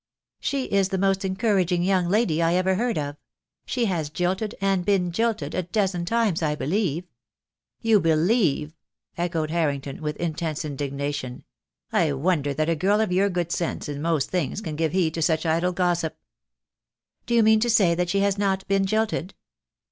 "She is the most encouraging young lady I ever heard of. She has jilted and been jilted a dozen times, I believe " "You believe," echoed Harrington, with intense in dignation; "I wonder that a girl of your good sense — in most things — can give heed to such idle gossip." "Do you mean to say that she has not been jilted?"